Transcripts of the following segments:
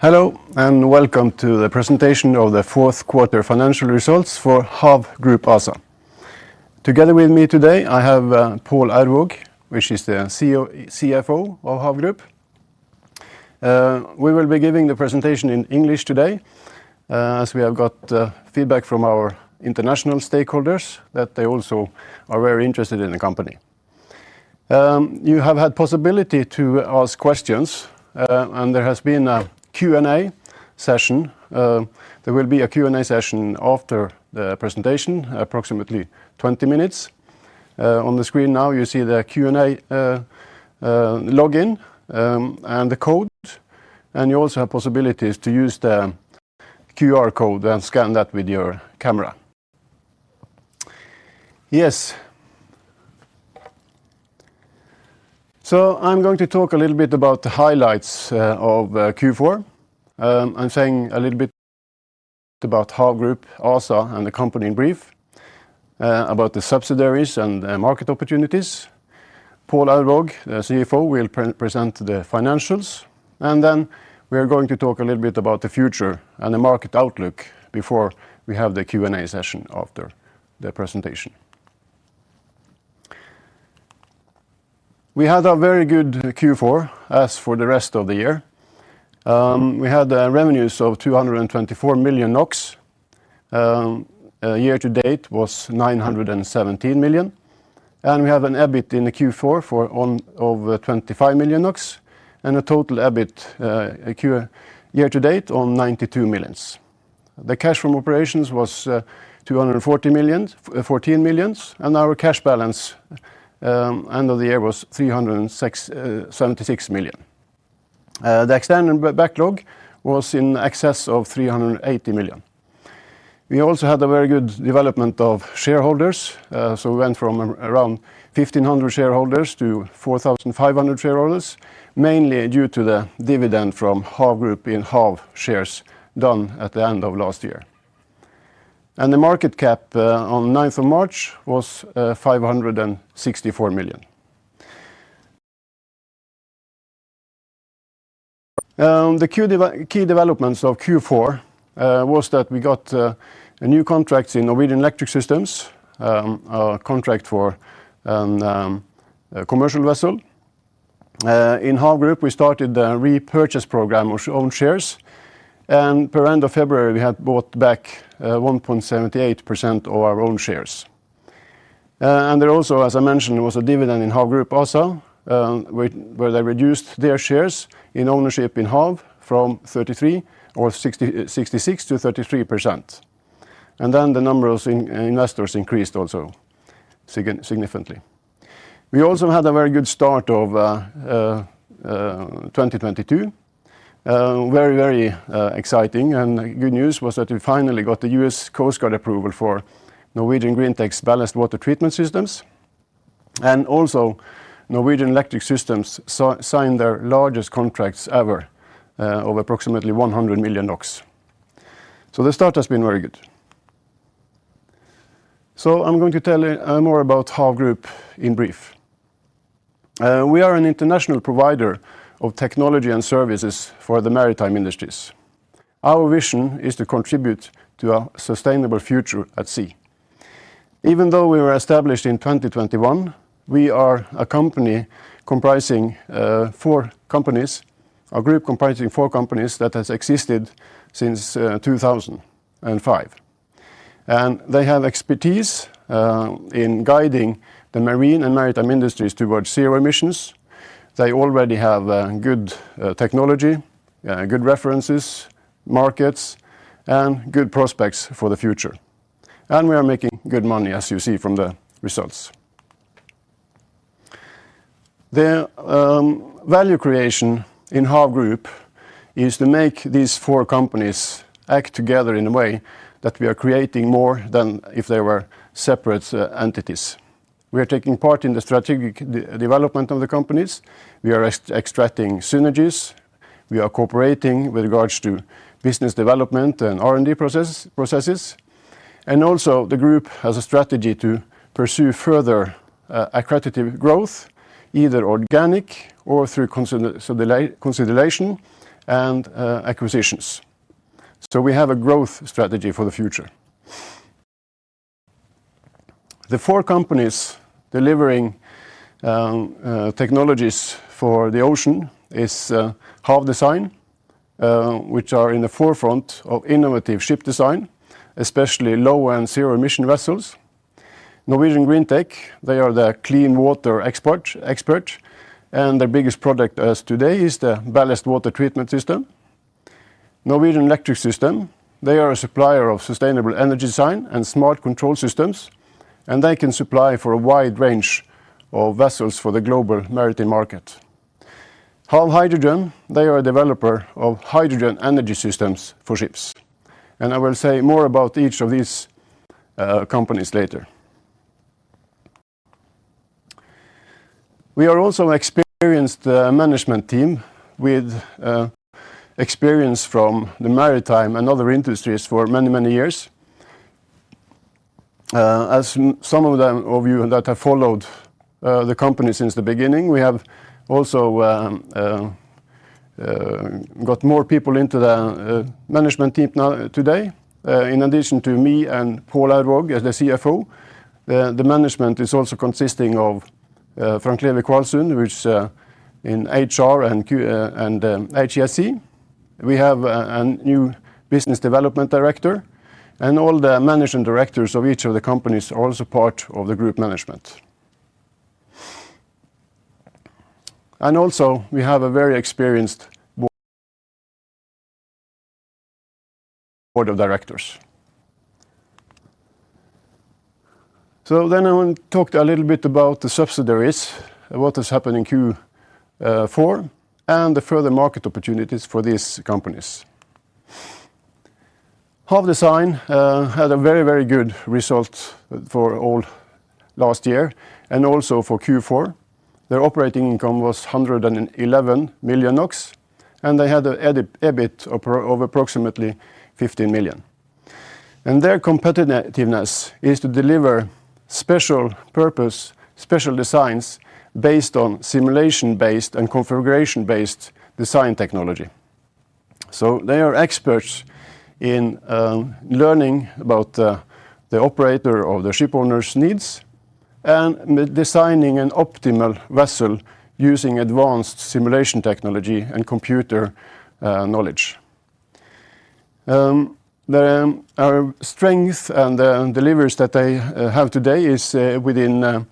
Hello, and welcome to the presentation of the fourth quarter financial results for HAV Group ASA. Together with me today, I have Pål Aurvåg, CFO of HAV Group. We will be giving the presentation in English today, as we have got feedback from our international stakeholders that they also are very interested in the company. You have had possibility to ask questions, and there has been a Q&A session. There will be a Q&A session after the presentation, approximately 20 minutes. On the screen now, you see the Q&A login and the code, and you also have possibilities to use the QR code and scan that with your camera. Yes. I'm going to talk a little bit about the highlights of Q4. I'm saying a little bit about HAV Group ASA and the company in brief, about the subsidiaries and the market opportunities. Pål Aurvåg, the CFO, will present the financials, and then we are going to talk a little bit about the future and the market outlook before we have the Q&A session after the presentation. We had a very good Q4 as for the rest of the year. We had the revenues of 224 million NOK. Year-to-date was 917 million, and we have an EBIT in the Q4 over 25 million NOK and a total EBIT year-to-date of 92 million. The cash from operations was 240 million— 214 million, and our cash balance end of the year was 376 million. The extended backlog was in excess of 380 million. We also had a very good development of shareholders, so we went from around 1,500 shareholders to 4,500 shareholders, mainly due to the dividend from HAV Group in HAV shares done at the end of last year. The market cap on 9th of March was 564 million. The key developments of Q4 was that we got a new contract in Norwegian Electric Systems, a contract for a commercial vessel. In HAV Group, we started the repurchase program of own shares, and per end of February, we had bought back 1.78% of our own shares. There also, as I mentioned, was a dividend in HAV Group ASA, where they reduced their shares in ownership in HAV from 33%, or 66% to 33%. Then the number of investors increased also significantly. We also had a very good start of 2022. Very exciting and good news was that we finally got the U.S. Coast Guard approval for Norwegian Greentech's ballast water treatment systems. Norwegian Electric Systems signed their largest contracts ever of approximately 100 million NOK. The start has been very good. I'm going to tell you more about HAV Group in brief. We are an international provider of technology and services for the maritime industries. Our vision is to contribute to a sustainable future at sea. Even though we were established in 2021, we are a company comprising four companies, a group comprising four companies that has existed since 2005. They have expertise in guiding the marine and maritime industries towards zero emissions. They already have good technology, good references, markets, and good prospects for the future. We are making good money, as you see from the results. The value creation in HAV Group is to make these four companies act together in a way that we are creating more than if they were separate entities. We are taking part in the strategic development of the companies. We are extracting synergies. We are cooperating with regards to business development and R&D processes. Also, the group has a strategy to pursue further accretive growth, either organic or through consolidation and acquisitions. We have a growth strategy for the future. The four companies delivering technologies for the ocean is HAV Design, which are in the forefront of innovative ship design, especially low and zero-emission vessels. Norwegian Greentech, they are the clean water expert, and their biggest product as today is the ballast water treatment system. Norwegian Electric Systems, they are a supplier of sustainable energy design and smart control systems, and they can supply for a wide range of vessels for the global maritime market. HAV Hydrogen, they are a developer of hydrogen energy systems for ships. I will say more about each of these companies later. We are also experienced management team with experience from the maritime and other industries for many, many years. As some of you that have followed the company since the beginning, we have also got more people into the management team now today in addition to me and Pål Aurvåg as the CFO. The management is also consisting of Frank-Levi Kvalsund in HR and HSE. We have a new business development director and all the management directors of each of the companies are also part of the group management. We have a very experienced board of directors. I want to talk a little bit about the subsidiaries, what has happened in Q4, and the further market opportunities for these companies. HAV Design had a very, very good result for all last year and also for Q4. Their operating income was 111 million NOK, and they had an EBIT of approximately 15 million. Their competitiveness is to deliver special purpose, special designs based on simulation-based and configuration-based design technology. They are experts in learning about the operator or the shipowner's needs and designing an optimal vessel using advanced simulation technology and computer knowledge. The strength and deliveries that they have today is within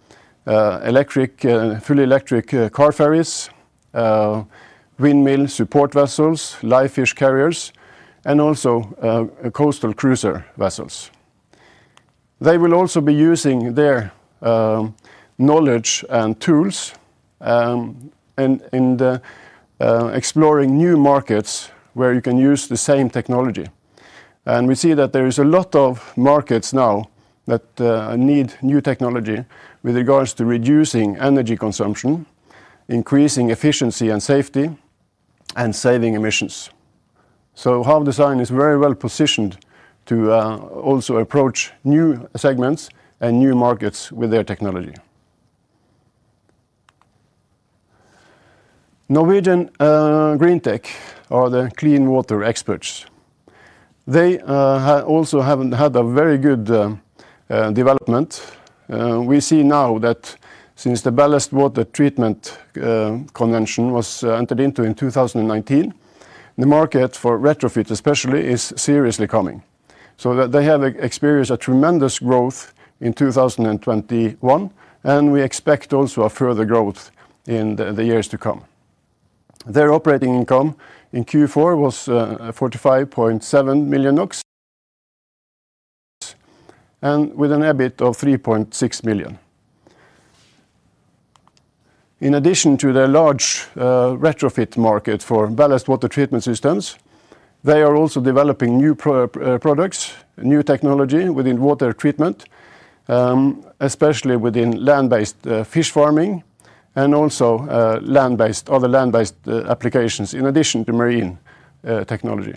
electric, fully electric car ferries, windmill support vessels, live fish carriers, and also coastal cruiser vessels. They will also be using their knowledge and tools in exploring new markets where you can use the same technology. We see that there is a lot of markets now that need new technology with regards to reducing energy consumption, increasing efficiency and safety, and saving emissions. HAV Design is very well-positioned to also approach new segments and new markets with their technology. Norwegian Greentech are the clean water experts. They also have had a very good development. We see now that since the ballast water treatment convention was entered into in 2019, the market for retrofit especially is seriously coming. They have experienced a tremendous growth in 2021, and we expect also a further growth in the years to come. Their operating income in Q4 was 45.7 million NOK and with an EBIT of 3.6 million. In addition to their large retrofit market for ballast water treatment systems, they are also developing new products, new technology within water treatment, especially within land-based fish farming and also other land-based applications in addition to marine technology.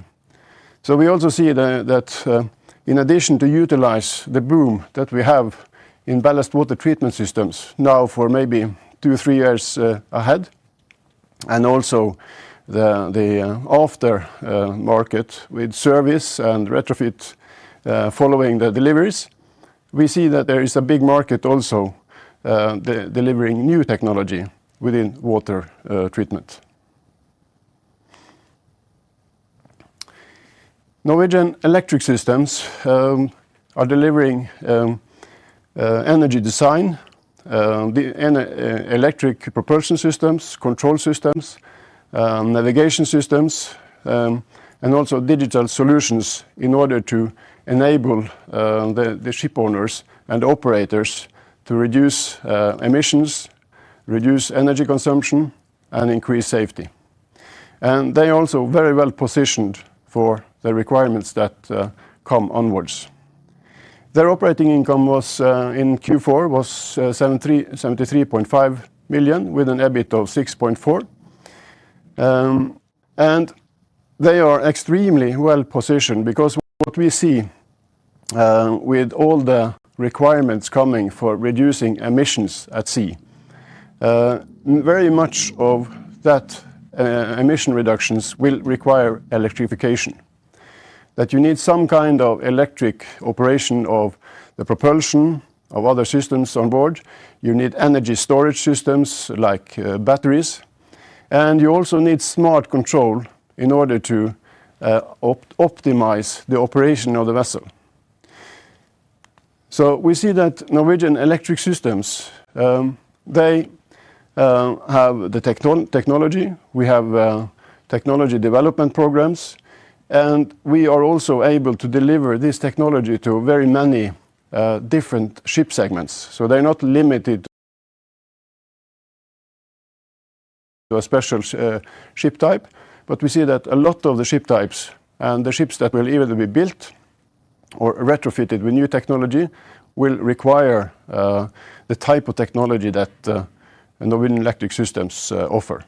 We also see that in addition to utilize the boom that we have in ballast water treatment systems now for maybe two, three years ahead and also the aftermarket with service and retrofit following the deliveries, we see that there is a big market also delivering new technology within water treatment. Norwegian Electric Systems are delivering energy design, electric propulsion systems, control systems, navigation systems, and also digital solutions in order to enable the shipowners and operators to reduce emissions, reduce energy consumption, and increase safety. They are also very well-positioned for the requirements that come onwards. Their operating income was in Q4 73.5 million with an EBIT of 6.4%. They are extremely well-positioned because what we see with all the requirements coming for reducing emissions at sea, very much of that emission reductions will require electrification, that you need some kind of electric operation of the propulsion, of other systems on board. You need energy storage systems like, batteries, and you also need smart control in order to optimize the operation of the vessel. We see that Norwegian Electric Systems, they have the technology. We have technology development programs, and we are also able to deliver this technology to very many different ship segments. They're not limited to a special ship type. We see that a lot of the ship types and the ships that will either be built or retrofitted with new technology will require the type of technology that Norwegian Electric Systems offer.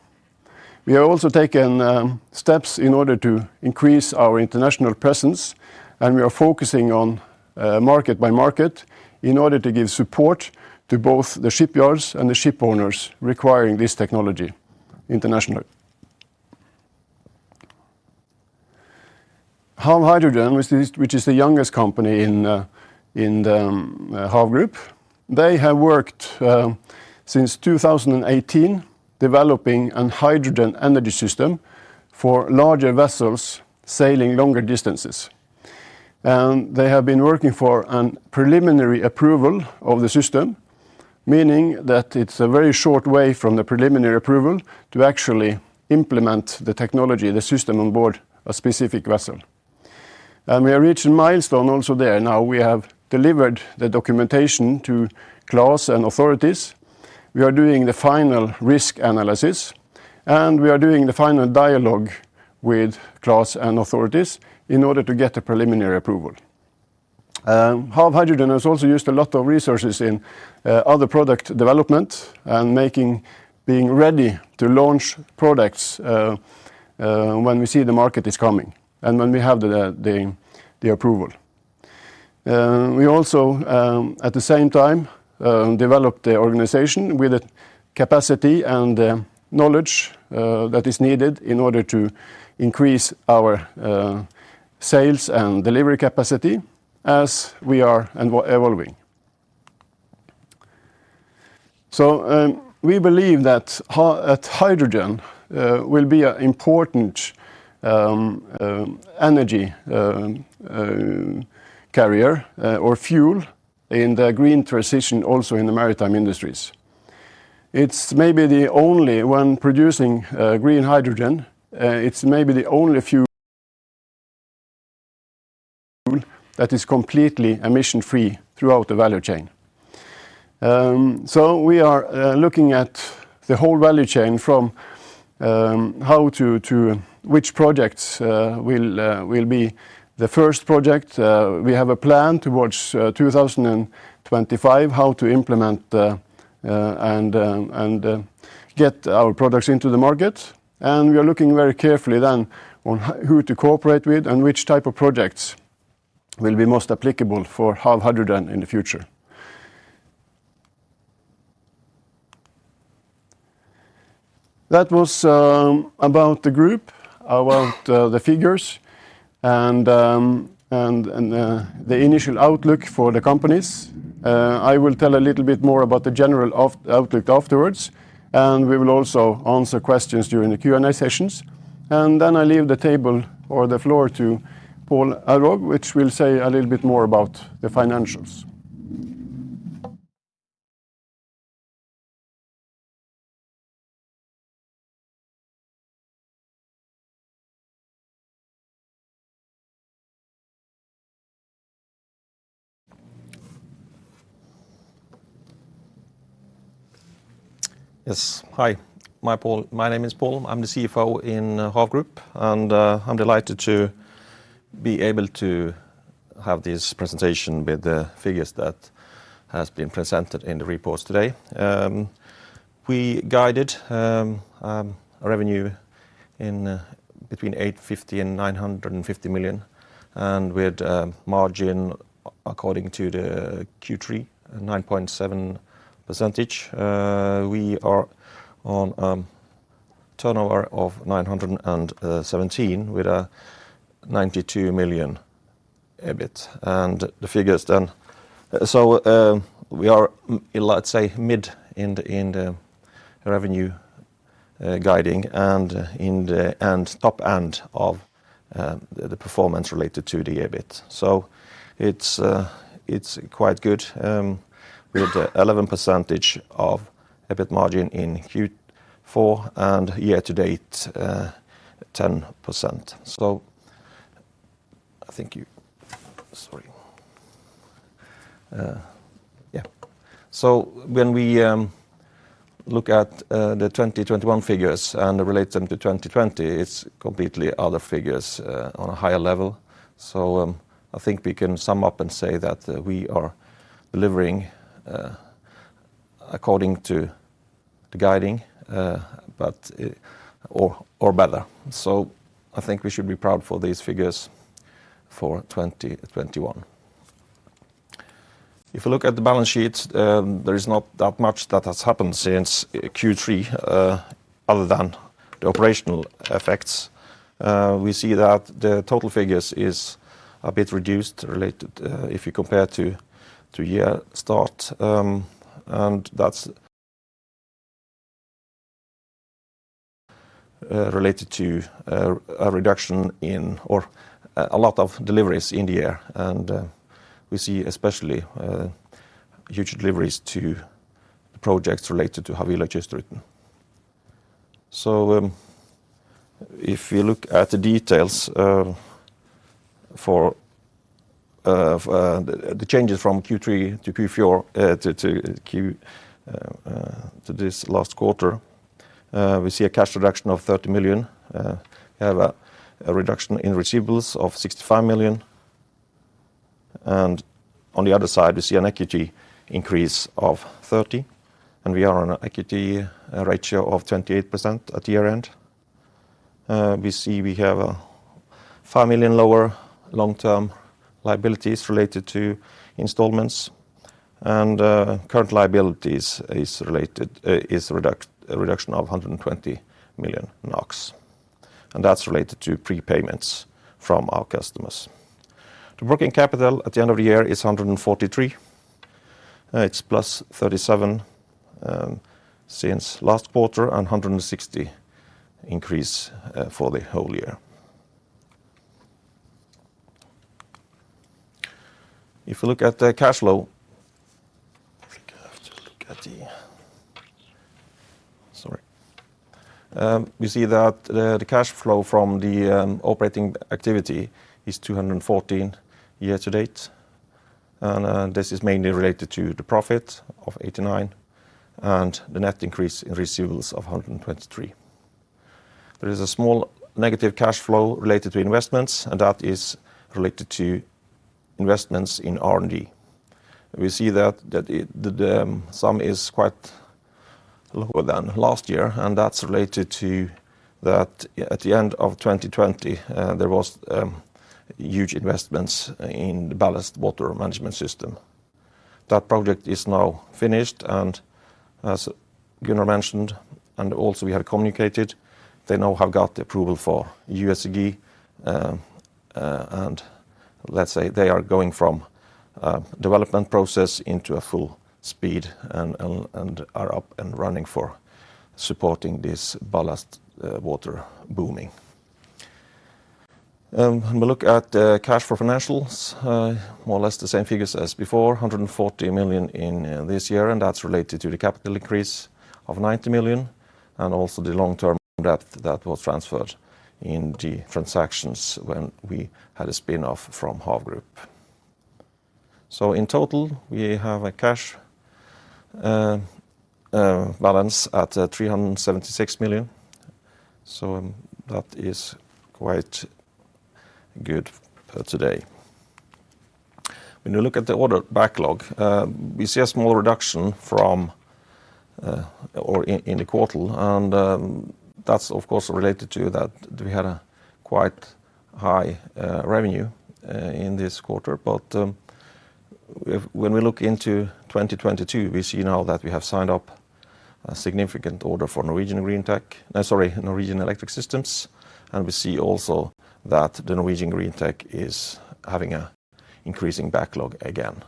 We have also taken steps in order to increase our international presence, and we are focusing on market-by-market in order to give support to both the shipyards and the ship owners requiring this technology internationally. HAV Hydrogen, which is the youngest company in the HAV Group, they have worked since 2018 developing a hydrogen-based energy system for larger vessels sailing longer distances. They have been working for a preliminary approval of the system, meaning that it's a very short way from the preliminary approval to actually implement the technology, the system on board a specific vessel. We are reaching a milestone also there. Now we have delivered the documentation to class and authorities. We are doing the final risk analysis, and we are doing the final dialogue with class and authorities in order to get a preliminary approval. HAV Hydrogen has also used a lot of resources in other product development and being ready to launch products when we see the market is coming and when we have the approval. We also, at the same time, developed the organization with the capacity and the knowledge that is needed in order to increase our sales and delivery capacity as we are evolving. We believe that hydrogen will be an important energy carrier or fuel in the green transition also in the maritime industries. It's maybe the only one producing green hydrogen. It's maybe the only fuel that is completely emission-free throughout the value chain. We are looking at the whole value chain from how to, which projects will be the first project. We have a plan towards 2025 how to implement and get our products into the market. We are looking very carefully then on who to cooperate with and which type of projects will be most applicable for HAV Hydrogen in the future. That was about the group, about the figures, and the initial outlook for the companies. I will tell a little bit more about the general outlook afterwards, and we will also answer questions during the Q&A sessions. Then I leave the table or the floor to Pål Aurvåg, which will say a little bit more about the financials. Yes. Hi. My name is Pål. I'm the CFO in HAV Group, and I'm delighted to be able to have this presentation with the figures that has been presented in the reports today. We guided a revenue between 850 million and 950 million, and with margin according to the Q3, 9.7%. We are on turnover of 917 million with a 92 million EBIT. The figures then we are let's say mid in the revenue guiding and top end of the performance related to the EBIT. It's quite good with the 11% EBIT margin in Q4 and year-to-date 10%. I think you— Sorry. Yeah. When we look at the 2021 figures and relate them to 2020, it's completely other figures on a higher level. I think we can sum up and say that we are delivering according to the guidance or better. I think we should be proud for these figures for 2021. If you look at the balance sheet, there is not that much that has happened since Q3 other than the operational effects. We see that the total figures is a bit reduced-related if you compare to year start, and that's related to a reduction in or a lot of deliveries in the year. We see especially huge deliveries to projects related to how we registered. If you look at the details for the changes from Q3 to Q4— to this last quarter, we see a cash reduction of 30 million. We have a reduction in receivables of 65 million. On the other side, we see an equity increase of 30 million, and we are on an equity ratio of 28% at year-end. We have a 5 million lower long-term liabilities related to installments, and current liabilities is a reduction of 120 million NOK. That's related to prepayments from our customers. The working capital at the end of the year is 143 million. It's +37 million since last quarter and 160 million increase for the whole year. If you look at the cash flow, we see that the cash flow from the operating activity is 214 million year-to-date. This is mainly related to the profit of 89 million and the net increase in receivables of 123 million. There is a small negative cash flow related to investments, and that is related to investments in R&D. We see that the sum is quite lower than last year, and that's related to that at the end of 2020 there was huge investments in the ballast water management system. That project is now finished, and as Gunnar mentioned, and also we have communicated, they now have got the approval for USCG. Let's say they are going from a development process into full speed and are up and running for supporting this ballast water boom. When we look at the cash flow financials, more or less the same figures as before. 140 million in this year, and that's related to the capital increase of 90 million and also the long-term debt that was transferred in the transactions when we had a spin-off from HAV Group. In total, we have a cash balance at 376 million, that is quite good for today. When you look at the order backlog, we see a small reduction from or in the quarter, and that's of course related to that we had quite high revenue in this quarter. When we look into 2022, we see now that we have signed a significant order for Norwegian Electric Systems, and we see also that Norwegian Greentech is having an increasing backlog again.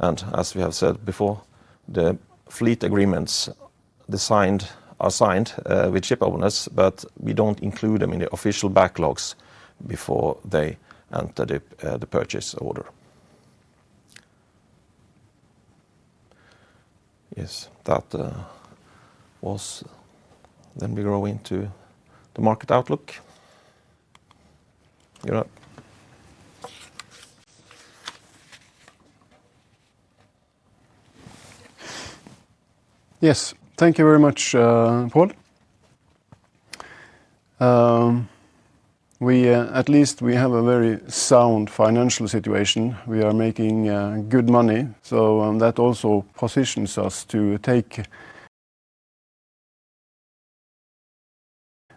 As we have said before, the fleet agreements signed with shipowners, but we don't include them in the official backlogs before they enter the purchase order. Yes. We go into the market outlook. Gunnar. Yes. Thank you very much, Pål. At least we have a very sound financial situation. We are making good money, so that also positions us to take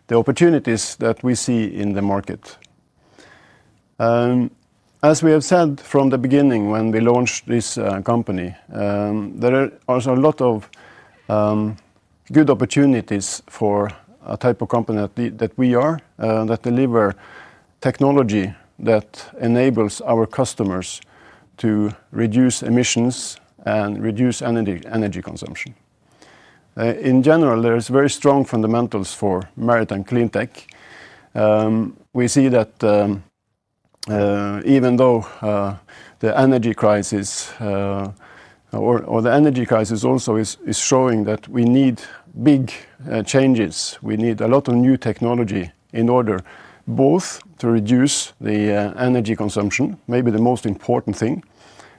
the opportunities that we see in the market. As we have said from the beginning when we launched this company, there are also a lot of good opportunities for a type of company that we are that deliver technology that enables our customers to reduce emissions and reduce energy consumption. In general, there is very strong fundamentals for maritime clean tech. We see that even though the energy crisis also is showing that we need big changes. We need a lot of new technology in order both to reduce the energy consumption, maybe the most important thing,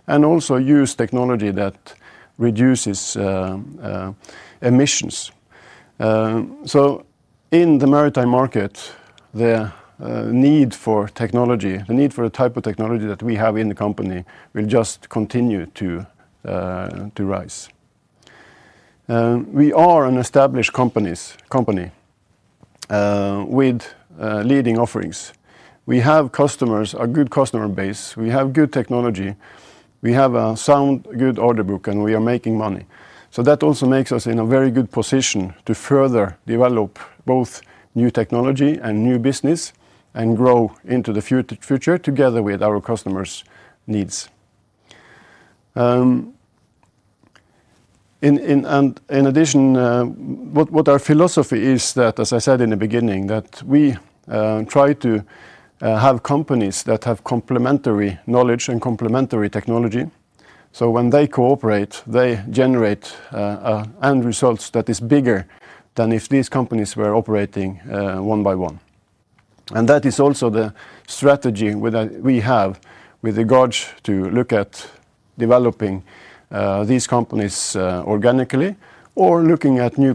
and also use technology that reduces emissions. In the maritime market, the need for technology, the need for the type of technology that we have in the company will just continue to rise. We are an established company with leading offerings. We have customers, a good customer base. We have good technology. We have a sound, good order book, and we are making money. That also makes us in a very good position to further develop both new technology and new business and grow into the future together with our customers' needs. In addition, what our philosophy is that, as I said in the beginning, that we try to have companies that have complementary knowledge and complementary technology, so when they cooperate, they generate end results that is bigger than if these companies were operating one by one. That is also the strategy that we have with regards to look at developing these companies organically or looking at new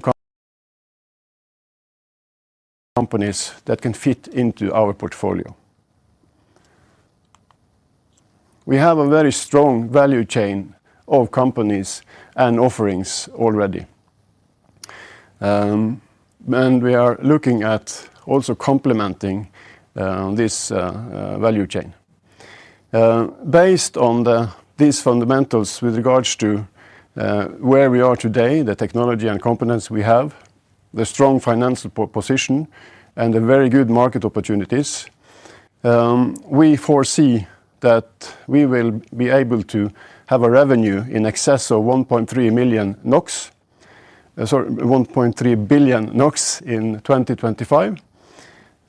companies that can fit into our portfolio. We have a very strong value chain of companies and offerings already. We are looking at also complementing this value chain. Based on these fundamentals with regards to where we are today, the technology and components we have, the strong financial position, and the very good market opportunities, we foresee that we will be able to have a revenue in excess of 1.3 billion NOK in 2025.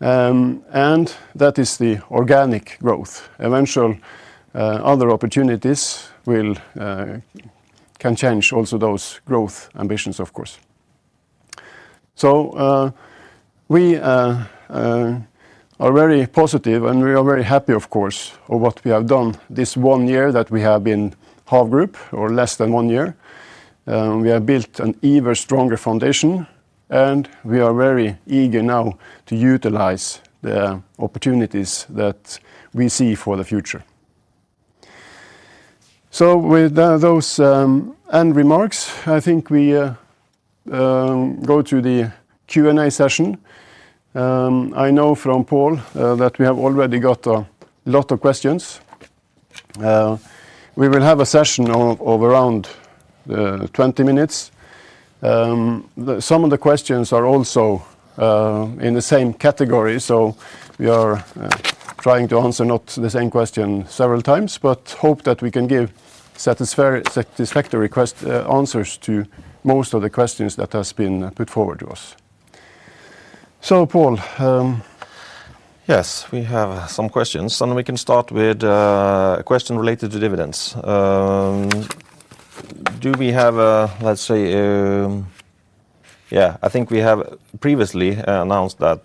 That is the organic growth. Eventually, other opportunities can change also those growth ambitions, of course. We are very positive, and we are very happy, of course, with what we have done this one year that we have been HAV Group, or less than one year. We have built an even stronger foundation, and we are very eager now to utilize the opportunities that we see for the future. With those end remarks, I think we go to the Q&A session. I know from Pål that we have already got a lot of questions. We will have a session of around 20 minutes. Some of the questions are also in the same category, so we are trying to answer not the same question several times, but hope that we can give satisfactory answers to most of the questions that has been put forward to us. Pål. Yes, we have some questions, and we can start with a question related to dividends. Do we have a, let's say, yeah, I think we have previously announced that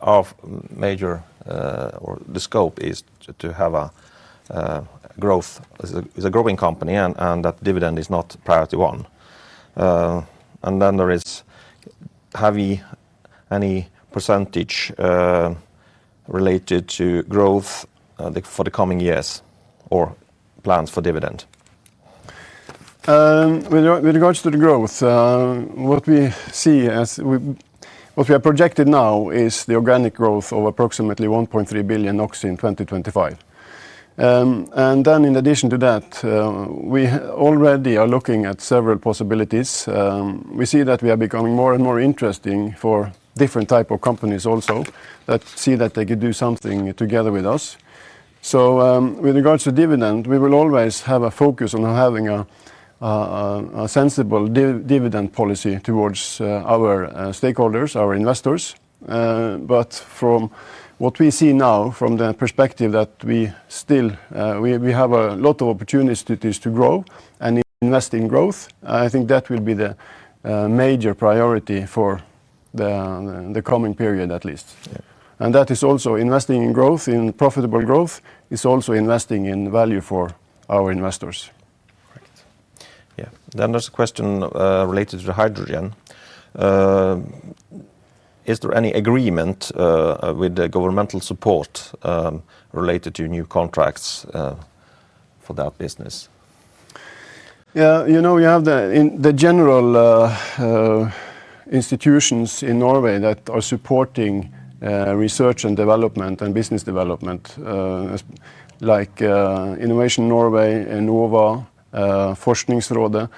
our major or the scope is to have a growth. As a growing company and that dividend is not priority one. Is there any percentage related to growth for the coming years or plans for dividend? With regards to the growth, what we have projected now is the organic growth of approximately 1.3 billion in 2025. In addition to that, we already are looking at several possibilities. We see that we are becoming more and more interesting for different type of companies also that see that they could do something together with us. With regards to dividend, we will always have a focus on having a sensible dividend policy towards our stakeholders, our investors. From what we see now, from the perspective that we still have a lot of opportunities to grow and invest in growth, I think that will be the major priority for the coming period at least. That is also investing in growth, in profitable growth is also investing in value for our investors. Yeah. There's a question related to hydrogen. Is there any agreement with the governmental support related to new contracts for that business? Yeah. You know, you have institutions in general in Norway that are supporting research and development and business development, as, like, Innovation Norway, Enova, Forskningsrådet.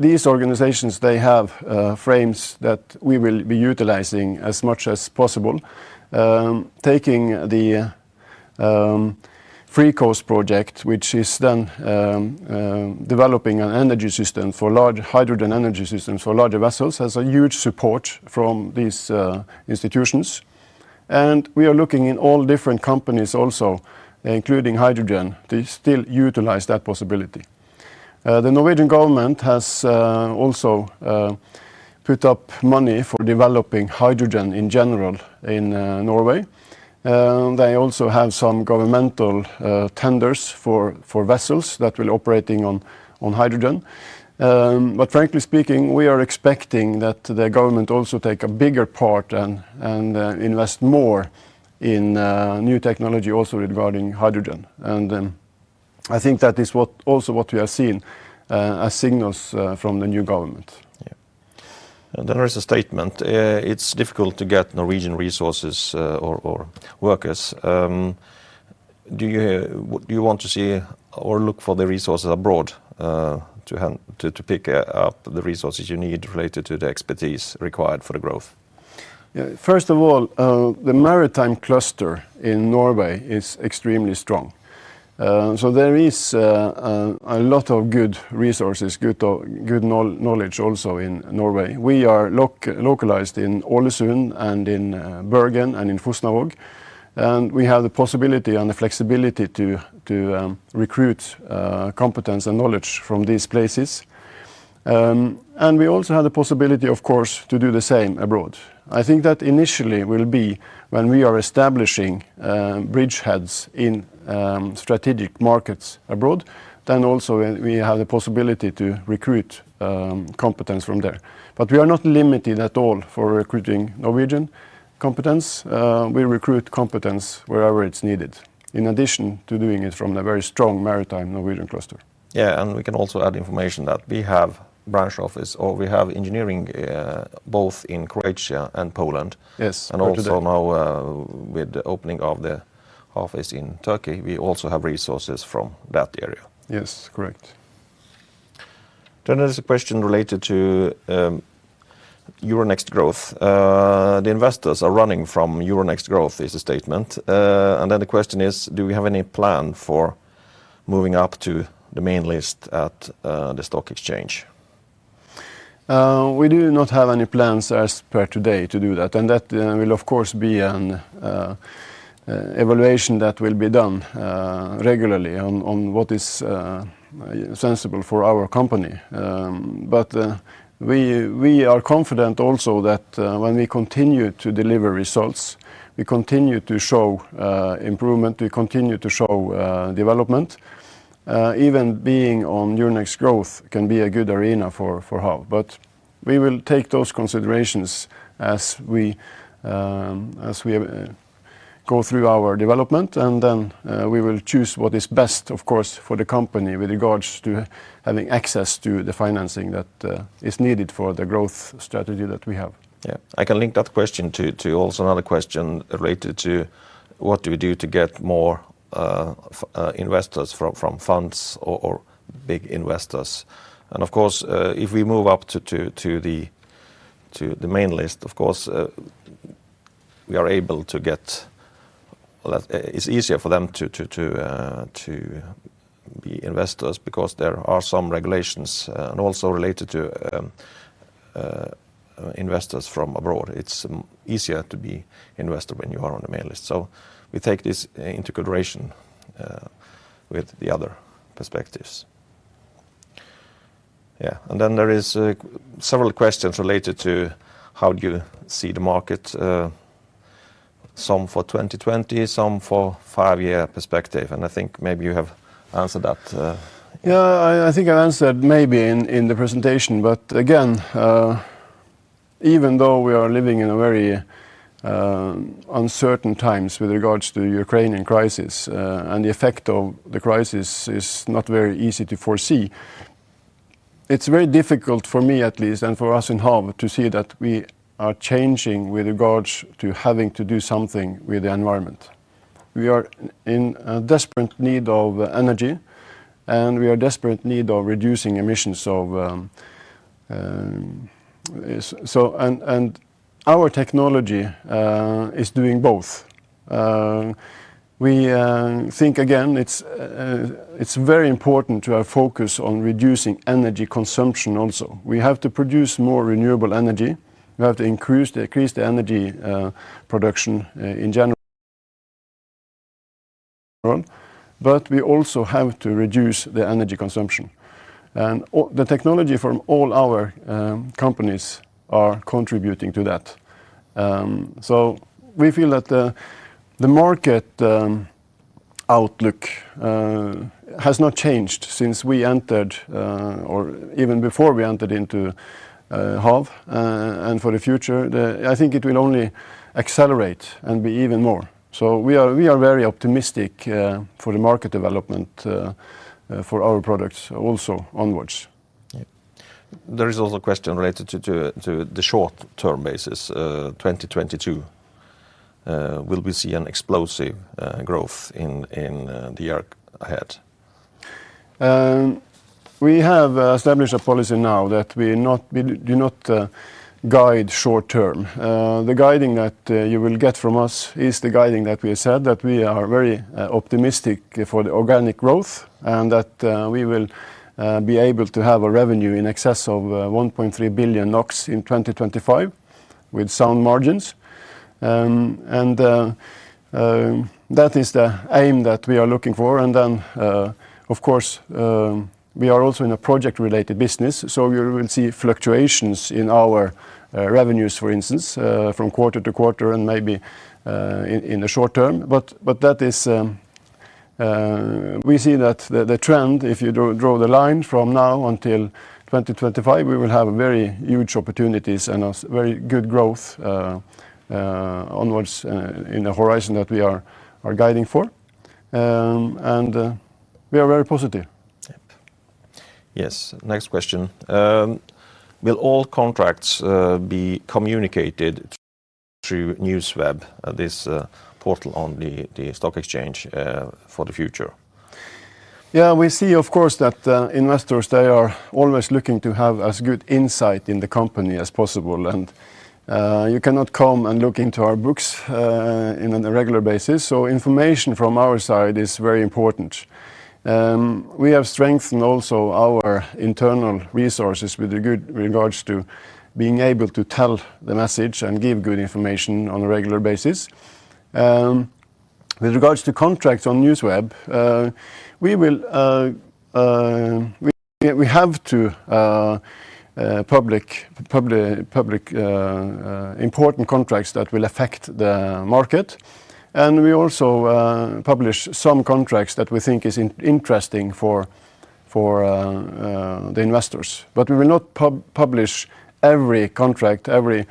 These organizations have frames that we will be utilizing as much as possible. Taking the FreeCO2ast project, which is then developing an energy system, for a large hydrogen energy system for larger vessels, has huge support from these institutions. We are looking at all different companies also, including hydrogen, to still utilize that possibility. The Norwegian government has also put up money for developing hydrogen in general in Norway. They also have some governmental tenders for vessels that will be operating on hydrogen. Frankly speaking, we are expecting that the government also take a bigger part and invest more in new technology also regarding hydrogen. I think that is also what we are seeing as signals from the new government. Yeah. There is a statement. It's difficult to get Norwegian resources or workers. Do you want to see or look for the resources abroad to pick up the resources you need related to the expertise required for the growth? Yeah. First of all, the maritime cluster in Norway is extremely strong. So there is a lot of good resources, good knowledge also in Norway. We are localized in Ålesund and in Bergen and in Fosnavåg, and we have the possibility and the flexibility to recruit competence and knowledge from these places. We also have the possibility, of course, to do the same abroad. I think that initially will be when we are establishing bridgeheads in strategic markets abroad, then also we have the possibility to recruit competence from there. We are not limited at all for recruiting Norwegian competence. We recruit competence wherever it's needed, in addition to doing it from the very strong maritime Norwegian cluster. Yeah, we can also add information that we have branch office, or we have engineering, both in Croatia and Poland. Yes, for today. Also now, with the opening of the office in Turkey, we also have resources from that area. Yes, correct. There's a question related to Euronext Growth. The investors are running from Euronext Growth, is the statement. The question is, do we have any plan for moving up to the main list at the stock exchange? We do not have any plans as per today to do that, and that will of course be an evaluation that will be done regularly on what is sensible for our company. We are confident also that when we continue to deliver results, we continue to show improvement, we continue to show development even being on Euronext Growth can be a good arena for HAV. We will take those considerations as we go through our development, and then we will choose what is best, of course, for the company with regards to having access to the financing that is needed for the growth strategy that we have. Yeah. I can link that question to also another question related to what do we do to get more investors from funds or big investors? Of course, if we move up to the main list, of course, it's easier for them to be investors because there are some regulations, and also related to investors from abroad. It's easier to be investor when you are on the main list. We take this into consideration with the other perspectives. Yeah, and then there is several questions related to how do you see the market, some for 2020, some for five-year perspective, and I think maybe you have answered that. I think I answered maybe in the presentation. Again, even though we are living in a very uncertain times with regards to Ukrainian crisis, and the effect of the crisis is not very easy to foresee, it's very difficult for me at least, and for us in HAV, to see that we are changing with regards to having to do something with the environment. We are in a desperate need of energy, and we are desperate need of reducing emissions of— our technology is doing both. We think again it's very important to have focus on reducing energy consumption also. We have to produce more renewable energy. We have to increase the energy production in general, but we also have to reduce the energy consumption. The technology from all our companies are contributing to that. We feel that the market outlook has not changed since we entered, or even before we entered into HAV, and for the future, I think it will only accelerate and be even more. We are very optimistic for the market development for our products also onwards. Yeah. There is also a question related to the short-term basis, 2022. Will we see an explosive growth in the year ahead? We have established a policy now that we do not guide short-term. The guiding that you will get from us is the guiding that we have said, that we are very optimistic for the organic growth and that we will be able to have a revenue in excess of 1.3 billion NOK in 2025 with sound margins. That is the aim that we are looking for. Of course, we are also in a project-related business, so you will see fluctuations in our revenues, for instance, from quarter-to-quarter and maybe in the short term. That is— We see that the trend, if you draw the line from now until 2025, we will have very huge opportunities and a very good growth onwards, in the horizon that we are guiding for. We are very positive. Yes. Next question. Will all contracts be communicated through NewsWeb, this portal on the stock exchange, for the future? Yeah, we see of course that investors they are always looking to have as good insight in the company as possible, and you cannot come and look into our books in a regular basis, so information from our side is very important. We have strengthened also our internal resources with regards to being able to tell the message and give good information on a regular basis. With regards to contracts on NewsWeb, we have to publish important contracts that will affect the market. We also publish some contracts that we think is interesting for the investors. We will not publish every contract, every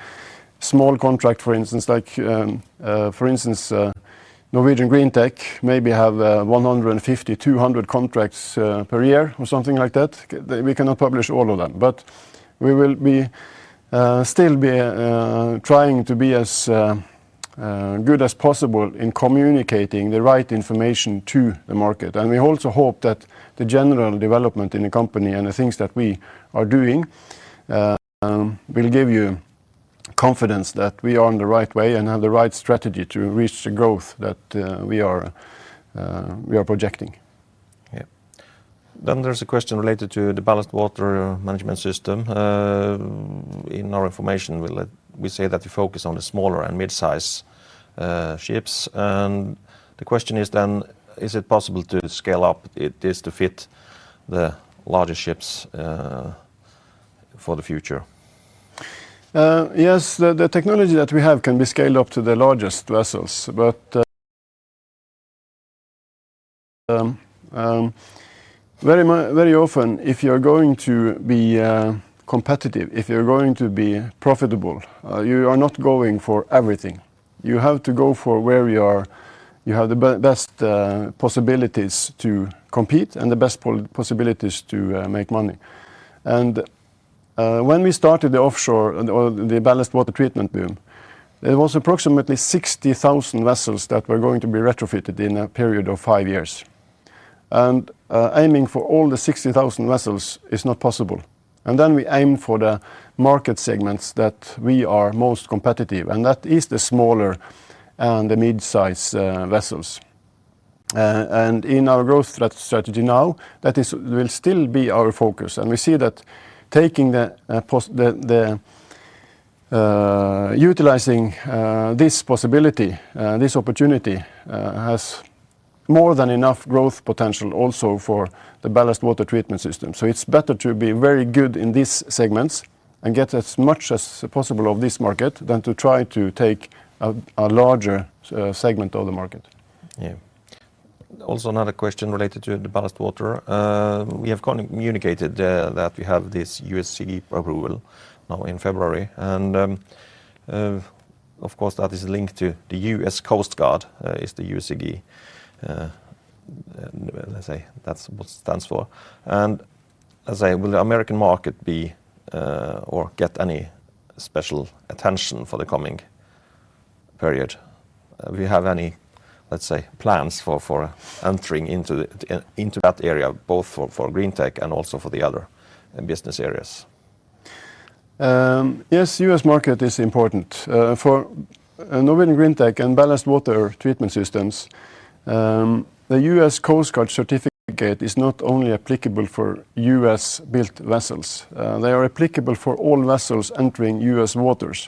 small contract, for instance, like, for instance, Norwegian Greentech maybe have 150, 200 contracts per year or something like that. We cannot publish all of them, but we will still be trying to be as good as possible in communicating the right information to the market. We also hope that the general development in the company and the things that we are doing will give you confidence that we are on the right way and have the right strategy to reach the growth that we are projecting. There's a question related to the ballast water management system. In our information, we say that we focus on the smaller and mid-size ships, and the question is, Is it possible to scale up this to fit the larger ships for the future? Yes. The technology that we have can be scaled up to the largest vessels. Very often, if you're going to be competitive, if you're going to be profitable, you are not going for everything. You have to go for where you are, you have the best possibilities to compete and the best possibilities to make money. When we started the offshore or the ballast water treatment boom, it was approximately 60,000 vessels that were going to be retrofitted in a period of five years. Aiming for all the 60,000 vessels is not possible, and then we aim for the market segments that we are most competitive, and that is the smaller and the mid-size vessels. In our growth strategy now, that is, will still be our focus, and we see that utilizing this possibility, this opportunity has more than enough growth potential also for the ballast water treatment system. It's better to be very good in these segments and get as much as possible of this market than to try to take a larger segment of the market. Yeah. Also, another question related to the ballast water. We have communicated that we have this USCG approval now in February and, of course, that is linked to the U.S. Coast Guard, is the USCG, let's say, that's what it stands for. As will the American market be or get any special attention for the coming period? We have any, let's say, plans for entering into that area, both for Greentech and also for the other business areas? Yes, U.S. market is important. For Norwegian Greentech and ballast water treatment systems, the U.S. Coast Guard certificate is not only applicable for U.S.-built vessels. They are applicable for all vessels entering U.S. waters,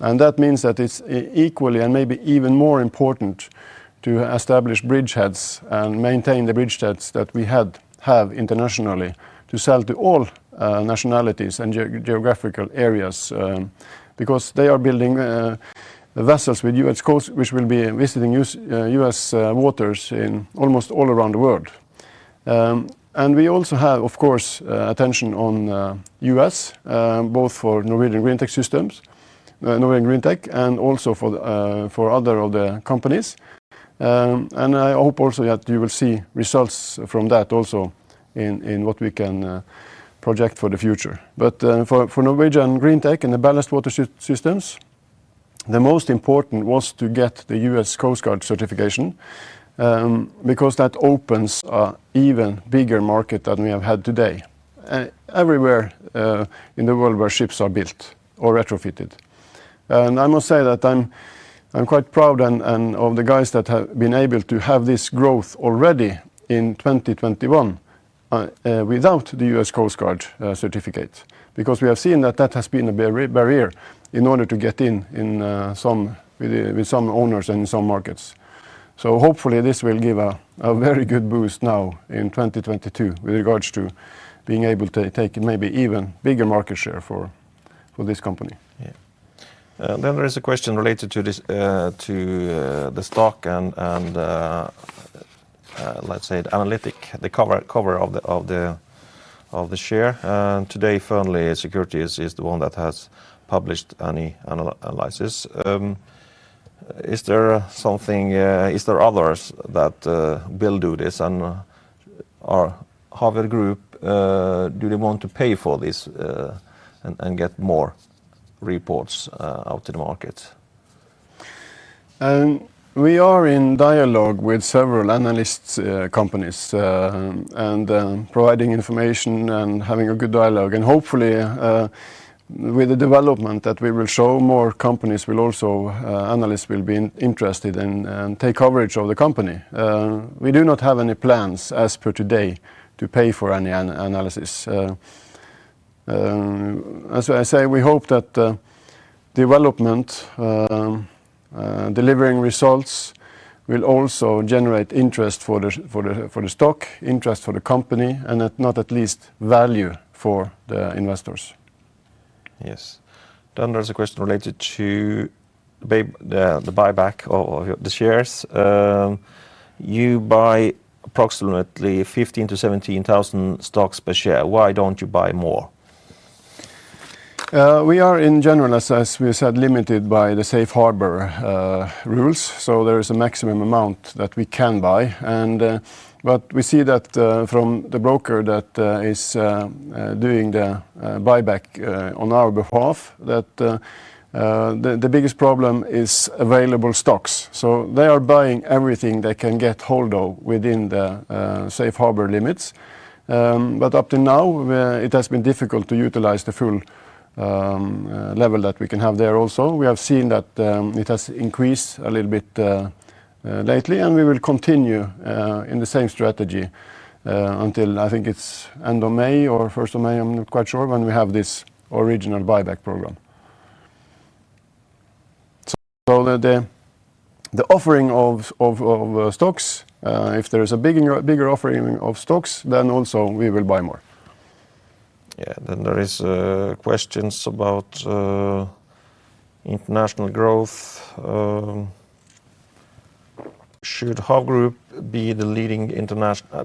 and that means that it's equally and maybe even more important to establish bridgeheads and maintain the bridgeheads that we have internationally to sell to all nationalities and geographical areas, because they are building vessels with U.S. Coast Guard, which will be visiting U.S. waters in almost all around the world. We also have, of course, attention on U.S., both for Norwegian Greentech systems, Norwegian Greentech, and also for other of the companies. I hope also that you will see results from that also in what we can project for the future. For Norwegian Greentech and the ballast water systems, the most important was to get the U.S. Coast Guard certification, because that opens an even bigger market than we have had today, everywhere in the world where ships are built or retrofitted. I must say that I'm quite proud and of the guys that have been able to have this growth already in 2021, without the U.S. Coast Guard certificate, because we have seen that that has been a barrier in order to get in some with some owners and some markets. Hopefully this will give a very good boost now in 2022 with regards to being able to take maybe even bigger market share for this company. There is a question related to this, to the stock and let's say the analyst coverage of the share. Today, Fearnley Securities is the one that has published any analysis. Are there others that will do this or does HAV Group want to pay for this and get more reports out in the market? We are in dialogue with several analysts, companies, and providing information and having a good dialogue. Hopefully, with the development that we will show, more analysts will also be interested and take coverage of the company. We do not have any plans as per today to pay for any analysis. As I say, we hope that development delivering results will also generate interest for the stock, interest for the company, and not least value for the investors. Yes. There's a question related to the buyback of the shares. You buy approximately 15,000-17,000 stocks per share. Why don't you buy more? We are in general, as we said, limited by the Safe Harbor rules, so there is a maximum amount that we can buy but we see that from the broker that is doing the buyback on our behalf that the biggest problem is available stocks. They are buying everything they can get hold of within the Safe Harbor limits. Up to now, it has been difficult to utilize the full level that we can have there also. We have seen that it has increased a little bit lately, and we will continue in the same strategy until I think it's end of May or first of May, I'm not quite sure, when we have this original buyback program. The offering of stocks, if there is a bigger offering of stocks, then also we will buy more. Yeah. There is questions about international growth. Should HAV Group be a leading international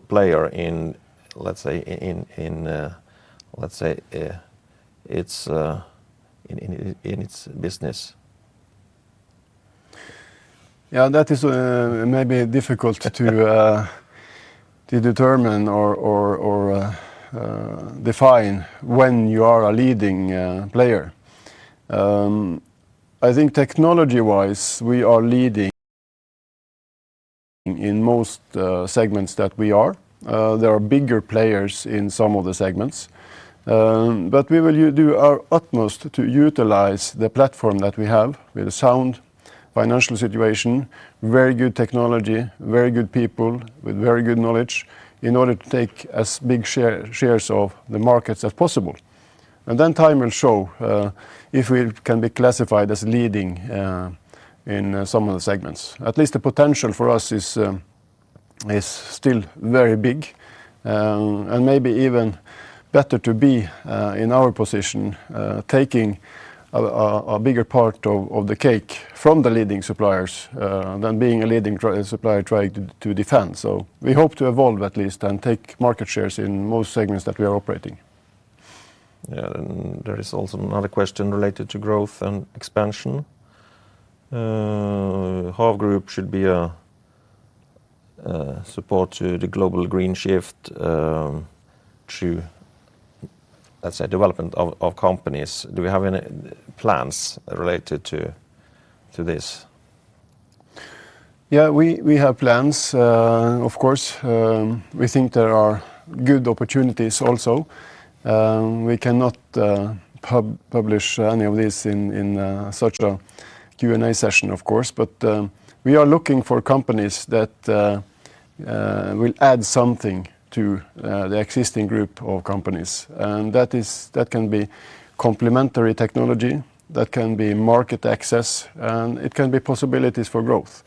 player in, let's say, in its business? Yeah. That is maybe difficult to determine or define when you are a leading player. I think technology-wise, we are leading in most segments that we are. There are bigger players in some of the segments. We will do our utmost to utilize the platform that we have with a sound financial situation, very good technology, very good people with very good knowledge in order to take as big shares of the markets as possible. Time will show if we can be classified as leading in some of the segments. At least the potential for us is still very big, and maybe even better to be in our position, taking a bigger part of the cake from the leading suppliers, than being a leading supplier trying to defend. We hope to evolve at least and take market shares in most segments that we are operating. Yeah. There is also another question related to growth and expansion. HAV Group should be a support to the global green shift, to let's say development of companies. Do we have any plans related to this? Yeah, we have plans. Of course, we think there are good opportunities also. We cannot publish any of this in such a Q&A session, of course, but we are looking for companies that will add something to the existing group of companies, and that can be complementary technology, that can be market access, and it can be possibilities for growth.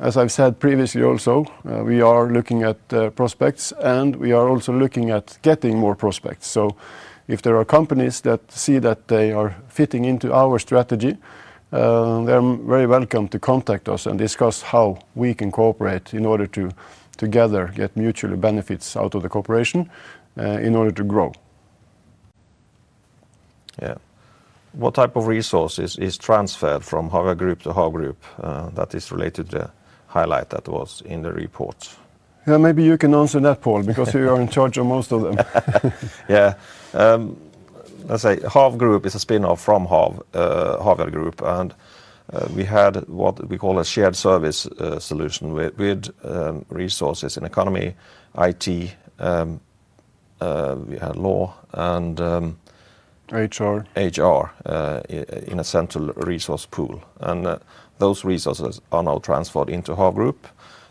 As I've said previously also, we are looking at prospects, and we are also looking at getting more prospects. If there are companies that see that they are fitting into our strategy, they're very welcome to contact us and discuss how we can cooperate in order to together get mutual benefits out of the cooperation in order to grow. Yeah. What type of resources is transferred from Havyard Group to HAV Group, that is related to highlight that was in the report? Yeah, maybe you can answer that, Pål, because you are in charge of most of them. Yeah. Let's say, HAV Group is a spinoff from Havyard Group, and we had what we call a shared service solution with resources in economy, IT, we had law, and HR in a central resource pool, and those resources are now transferred into HAV Group,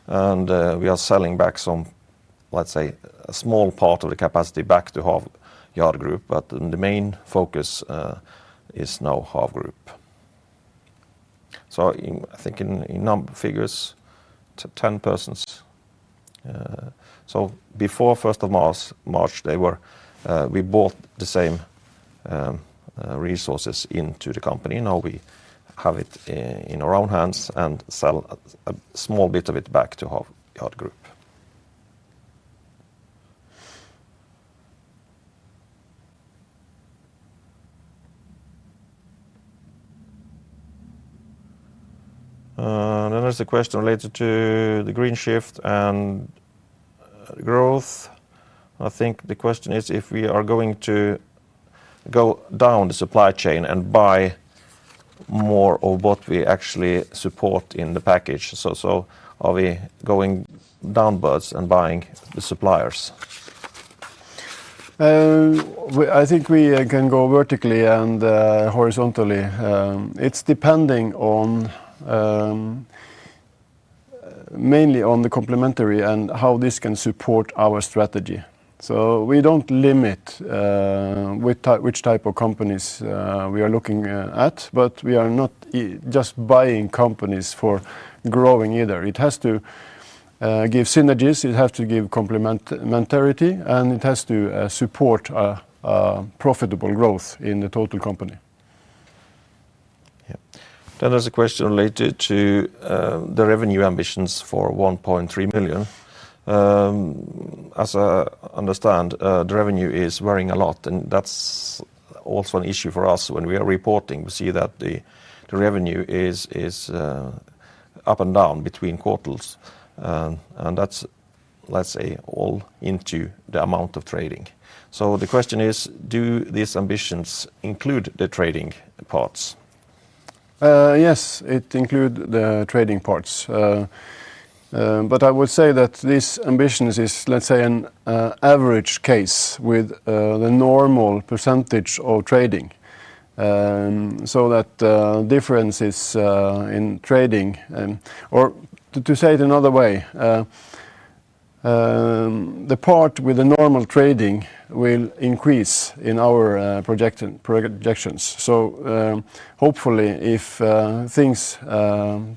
and we are selling back some, let's say, a small part of the capacity back to Havyard Group, but the main focus is now HAV Group. I think in figures, 10 persons, before 1st of March, we bought the same resources into the company. Now we have it in our own hands and sell a small bit of it back to Havyard Group. There's a question related to the green shift and growth. I think the question is if we are going to go down the supply chain and buy more of what we actually support in the package, so are we going downwards and buying the suppliers? I think we can go vertically and horizontally. It's depending on mainly on the complementary and how this can support our strategy. We don't limit which type of companies we are looking at, but we are not just buying companies for growing either. It has to give synergies, it has to give complementarity, and it has to support profitable growth in the total company. There's a question related to the revenue ambitions for 1.3 million. As I understand, the revenue is varying a lot, and that's also an issue for us when we are reporting. We see that the revenue is up and down between quarters. That's, let's say, all into the amount of trading. The question is, do these ambitions include the trading parts? Yes, it includes the trading parts. But I would say that these ambitions are, let's say, an average case with the normal percentage of trading. That difference is in trading. Or to say it another way, the part with the normal trading will increase in our projections. Hopefully, if things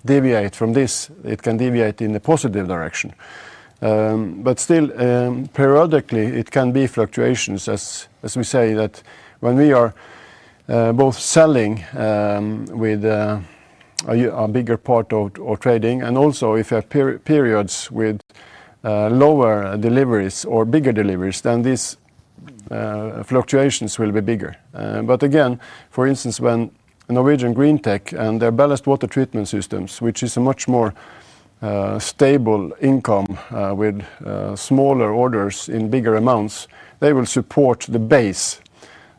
deviate from this, it can deviate in a positive direction. But still, periodically, there can be fluctuations as we say that when we are both selling with a bigger part of trading, and also if you have periods with lower deliveries or bigger deliveries, then these fluctuations will be bigger. Again, for instance, when Norwegian Greentech and their ballast water treatment systems, which is a much more stable income with smaller orders in bigger amounts, they will support the base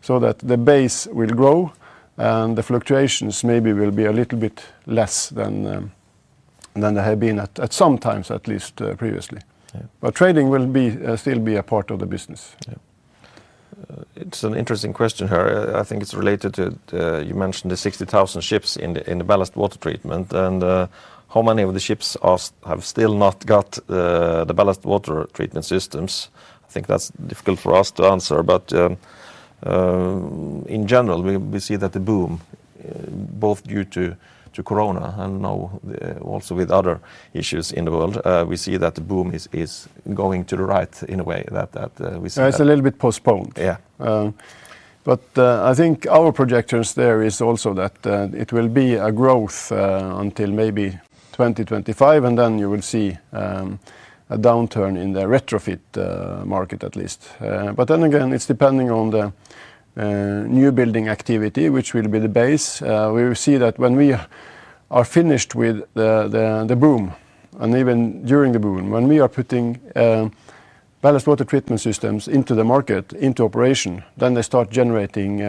so that the base will grow, and the fluctuations maybe will be a little bit less than they have been at some times, at least previously. Trading will still be a part of the business. Yeah. It's an interesting question here. I think it's related to you mentioned the 60,000 ships in the ballast water treatment, and how many of the ships have still not got the ballast water treatment systems. I think that's difficult for us to answer. In general, we see that the boom both due to Corona, and now also with other issues in the world, we see that the boom is going to the right in a way that we see that- Yeah, it's a little bit postponed. Yeah. I think our projections there is also that it will be a growth until maybe 2025, and then you will see a downturn in the retrofit market at least. Then again, it's depending on the new building activity, which will be the base. We will see that when we are finished with the boom, and even during the boom, when we are putting ballast water treatment systems into the market, into operation, then they start generating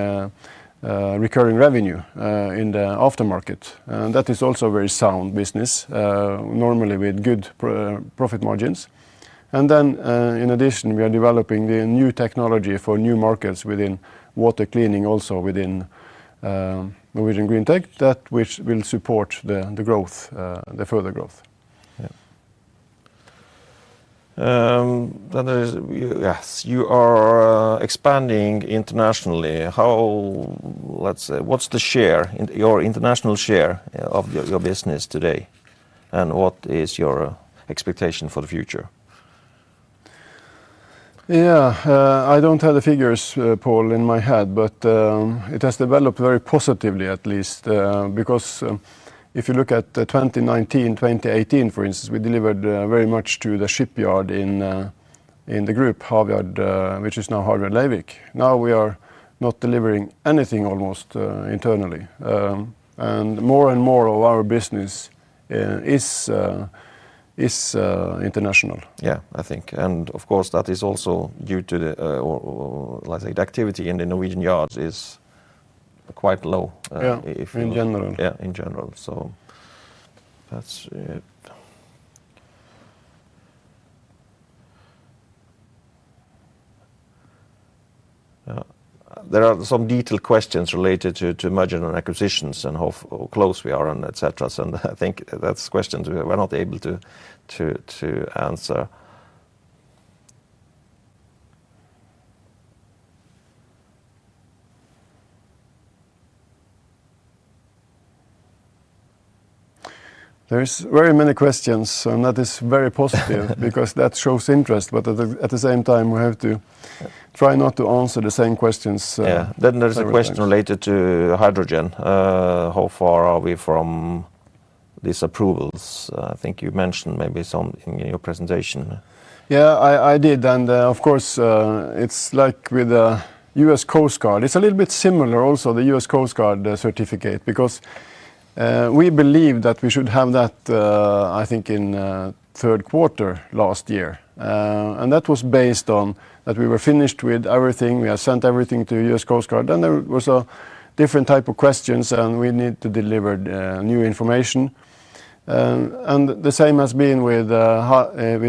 recurring revenue in the aftermarket. That is also very sound business, normally with good profit margins. Then in addition, we are developing the new technology for new markets within water cleaning also within Norwegian Greentech, which will support the growth, the further growth. Yes, you are expanding internationally. Let's say, what's the share, your international share, of your business today, and what is your expectation for the future? Yeah. I don't have the figures, Pål, in my head, but it has developed very positively, at least. Because if you look at the 2019, 2018, for instance, we delivered very much to the shipyard in the group, Havyard, which is now Havyard Leirvik. Now we are not delivering almost anything internally. More and more of our business is international. Yeah, I think. Of course, that is also due to, like, the activity in the Norwegian yards is quite low, if you look- Yeah, in general. Yeah, in general. That's it. There are some detailed questions related to mergers and acquisitions and how close we are and et cetera. I think those questions we're not able to answer. There are very many questions, and that is very positive, because that shows interest. At the same time, we have to try not to answer the same questions. Yeah. There's a question related to hydrogen. How far are we from these approvals? I think you mentioned maybe something in your presentation. Yeah, I did. Of course, it's like with the U.S. Coast Guard. It's a little bit similar also, the U.S. Coast Guard certificate, because we believe that we should have that, I think in third quarter last year. That was based on that we were finished with everything. We had sent everything to U.S. Coast Guard. Then there was different type of questions, and we need to deliver the new information. The same has been with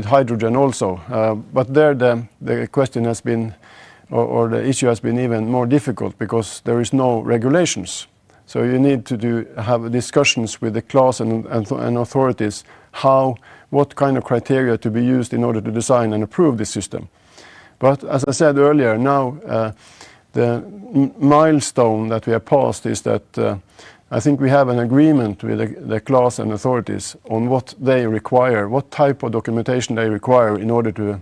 hydrogen also. But there the question has been or the issue has been even more difficult because there are no regulations. So you need to have discussions with the class and authorities what kind of criteria to be used in order to design and approve the system. As I said earlier, now, the milestone that we have passed is that, I think we have an agreement with the class and authorities on what they require, what type of documentation they require in order to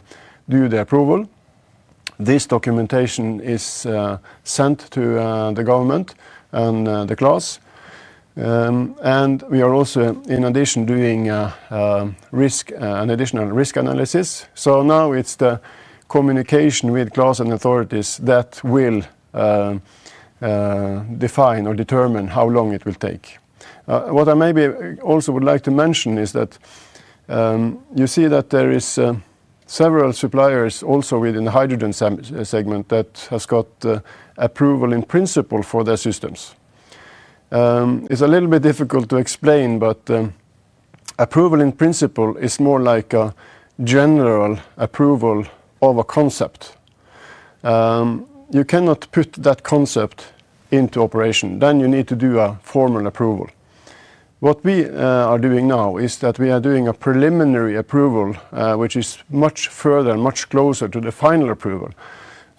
do the approval. This documentation is sent to the government and the class. We are also in addition doing an additional risk analysis. Now it's the communication with class and authorities that will define or determine how long it will take. What I maybe also would like to mention is that you see that there is several suppliers also within the hydrogen segment that has got the Approval in Principle for their systems. It's a little bit difficult to explain, but Approval in Principle is more like a general approval of a concept. You cannot put that concept into operation, then you need to do a formal approval. What we are doing now is that we are doing a preliminary approval, which is much further and much closer to the final approval.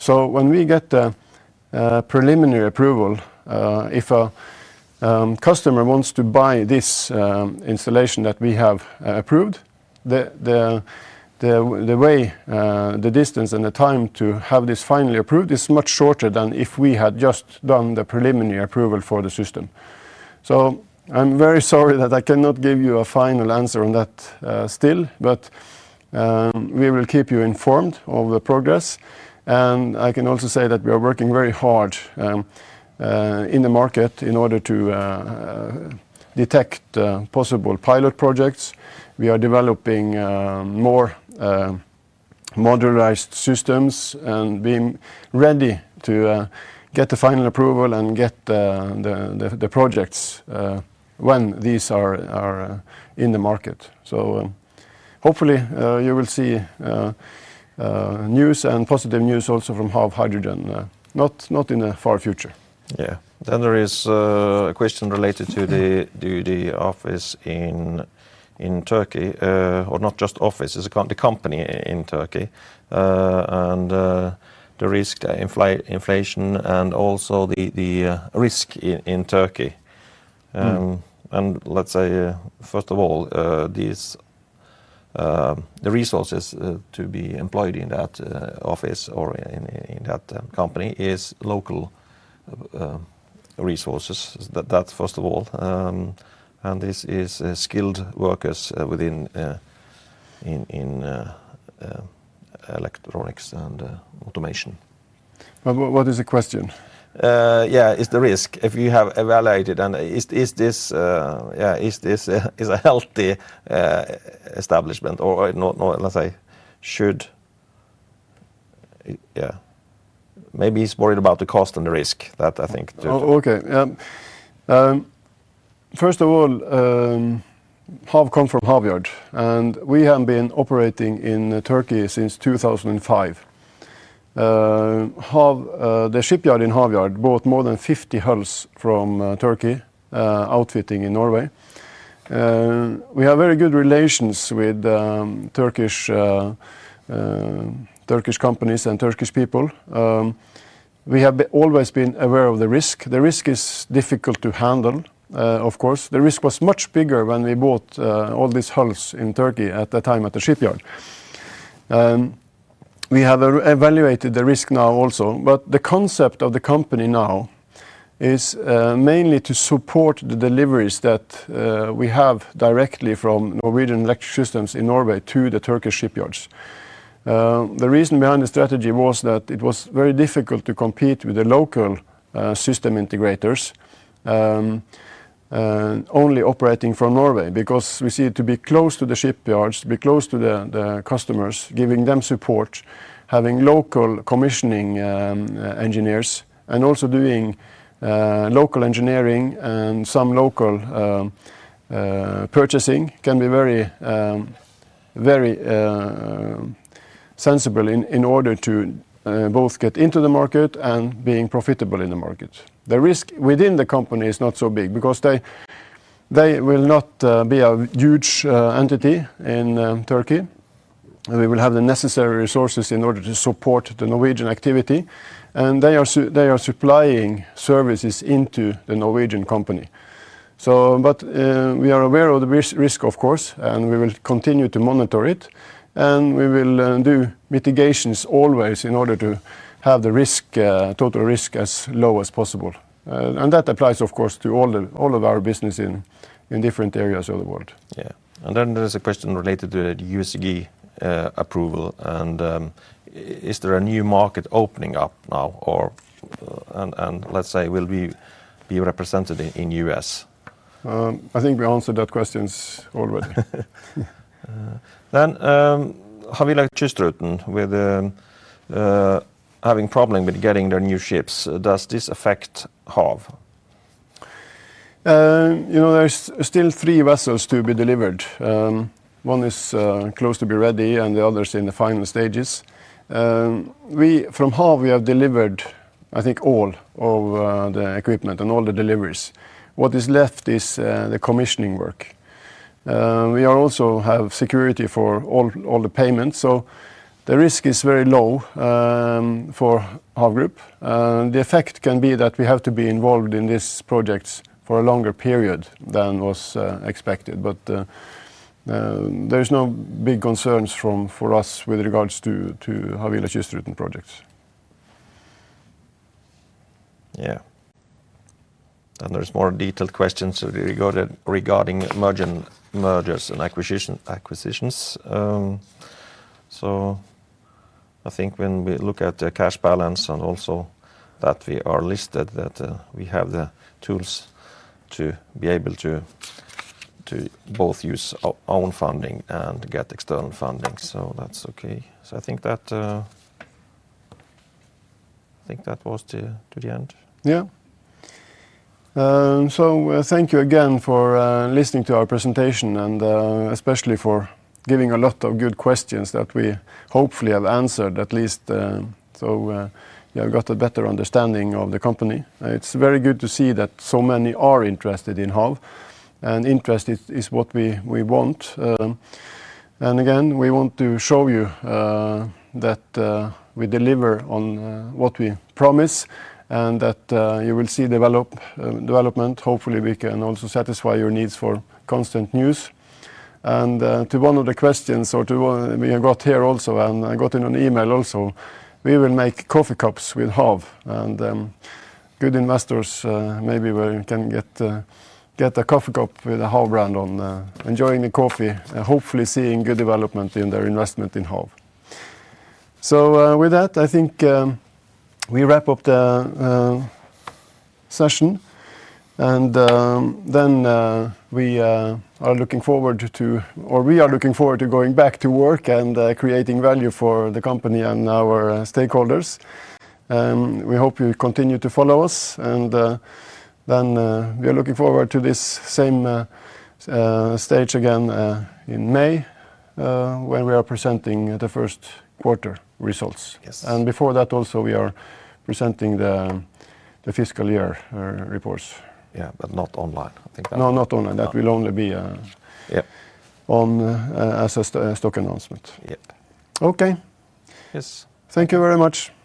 When we get the preliminary approval, if a customer wants to buy this installation that we have approved, the way, the distance, and the time to have this finally approved is much shorter than if we had just done the preliminary approval for the system. I'm very sorry that I cannot give you a final answer on that still, but we will keep you informed of the progress. I can also say that we are working very hard in the market in order to detect possible pilot projects. We are developing more modularized systems and being ready to get the final approval and get the projects when these are in the market. Hopefully you will see news and positive news also from HAV Hydrogen not in the far future. There is a question related to the office in Turkey, or not just office, it's the company in Turkey, and the inflation risk and also the risk in Turkey. Let's say, first of all, these resources to be employed in that office or in that company is local resources. That, first of all, this is skilled workers within electronics and automation. What is the question? It's the risk. If you have evaluated and is this a healthy establishment or not, let's say, maybe he's worried about the cost and the risk that I think too. Oh, okay. First of all, HAV come from Havyard, and we have been operating in Turkey since 2005. HAV, the shipyard in Havyard bought more than 50 hulls from Turkey, outfitting in Norway. We have very good relations with Turkish companies and Turkish people. We have always been aware of the risk. The risk is difficult to handle, of course. The risk was much bigger when we bought all these hulls in Turkey at that time at the shipyard. We have evaluated the risk now also, but the concept of the company now is mainly to support the deliveries that we have directly from Norwegian Electric Systems in Norway to the Turkish shipyards. The reason behind the strategy was that it was very difficult to compete with the local system integrators only operating from Norway. Because we see to be close to the shipyards, to be close to the customers, giving them support, having local commissioning engineers, and also doing local engineering and some local purchasing can be very sensible in order to both get into the market and being profitable in the market. The risk within the company is not so big because they will not be a huge entity in Turkey. We will have the necessary resources in order to support the Norwegian activity, and they are supplying services into the Norwegian company. We are aware of the risk, of course, and we will continue to monitor it, and we will do mitigations always in order to have the total risk as low as possible. That applies of course to all of our business in different areas of the world. Yeah. Then there's a question related to the USCG approval, and is there a new market opening up now, or and let's say, will we be represented in U.S.? I think we answered that questions already. Havila Kystruten with having problem with getting their new ships, does this affect HAV? You know, there's still three vessels to be delivered. One is close to be ready, and the other is in the final stages. We, from HAV, we have delivered, I think all of the equipment and all the deliveries. What is left is the commissioning work. We are also have security for all the payments, so the risk is very low for HAV Group. The effect can be that we have to be involved in these projects for a longer period than was expected. There's no big concerns for us with regards to Havila Kystruten projects. There's more detailed questions regarding mergers and acquisitions. I think when we look at the cash balance and also that we are listed, we have the tools to be able to both use own funding and get external funding. That's okay. I think that was to the end. Yeah. Thank you again for listening to our presentation and especially for giving a lot of good questions that we hopefully have answered, at least, so you have got a better understanding of the company. It's very good to see that so many are interested in HAV, and interest is what we want. We want to show you that we deliver on what we promise and that you will see development. Hopefully, we can also satisfy your needs for constant news. To one of the questions or to one we got here also, and I got in an email also, we will make coffee cups with HAV and good investors, maybe where you can get a coffee cup with a HAV brand on, enjoying the coffee, hopefully seeing good development in their investment in HAV. With that, I think we wrap up the session. Then we are looking forward to going back to work and creating value for the company and our stakeholders. We hope you continue to follow us and then we are looking forward to this same stage again in May when we are presenting the first quarter results. Before that also, we are presenting the fiscal year reports. Yeah, but not online, I think. No, not online. That will only be on as a stock announcement. Yeah. Okay. Thank you very much.